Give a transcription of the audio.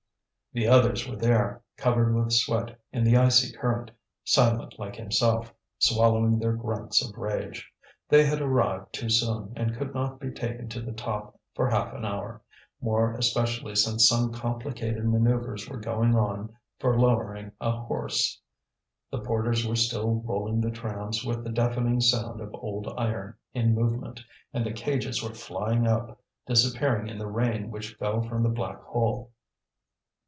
The others were there, covered with sweat in the icy current, silent like himself, swallowing their grunts of rage. They had arrived too soon and could not be taken to the top for half an hour, more especially since some complicated manoeuvres were going on for lowering a horse. The porters were still rolling the trams with the deafening sound of old iron in movement, and the cages were flying up, disappearing in the rain which fell from the black hole.